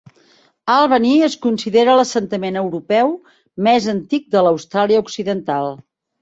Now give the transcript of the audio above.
Albany es considera l'assentament europeu més antic de l'Austràlia occidental.